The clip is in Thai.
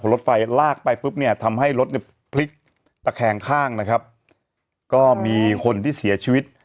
รถไฟลากไปปุ๊บเนี่ยทำให้รถเนี่ยพลิกตะแคงข้างนะครับก็มีคนที่เสียชีวิต